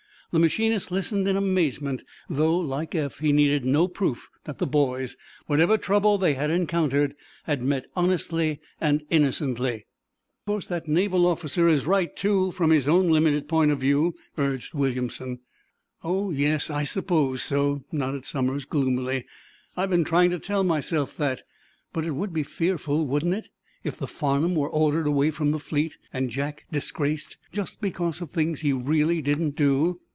The machinist listened in amazement, though, like Eph, he needed no proof that the boys, whatever trouble they had encountered, had met honestly and innocently. "Of course that naval officer is right, too, from his own limited point of view," urged Williamson. "Oh, yes, I suppose so," nodded Somers, gloomily. "I've been trying to tell myself that. But it would be fearful, wouldn't it, if the 'Farnum' were ordered away from the fleet, and Jack disgraced, just because of things he really didn't do."